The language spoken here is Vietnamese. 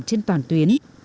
trên toàn tuyến